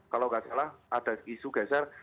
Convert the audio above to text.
kalau nggak salah ada isu geser